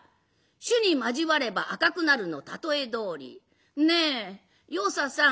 「朱に交われば赤くなる」の例えどおり「ねえ与三さん。